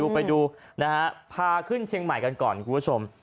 ไปดูนะฮะพาขึ้นเชียงใหม่กันก่อนคุณผู้ชม